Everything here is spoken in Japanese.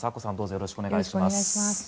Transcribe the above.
よろしくお願いします。